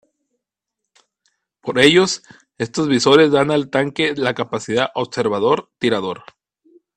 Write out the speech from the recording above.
Por ellos, estos visores dan al tanque la capacidad "Observador-Tirador".